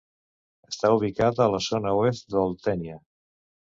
Està ubicada a la zona oest d'Oltènia.